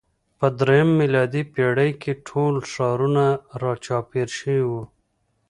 په درېیمه میلادي پېړۍ کې ټول ښارونه راچاپېر شوي وو.